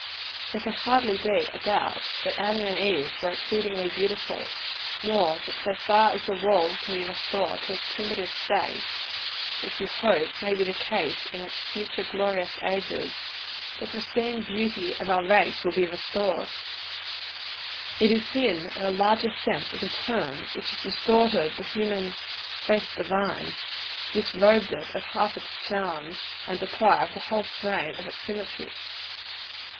There can hardly be a doubt that Adam and Eve were exceedingly beautiful; nor that so far as the world can be restored to its primitive state which we hope may be the case in its future glorious ages the pristine beauty of our race will be restored. It is sin, in the largest sense of the term, which has distorted the human "face divine," disrobed it of half its charms; and deprived the whole frame of its symmetry.